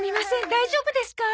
大丈夫ですか？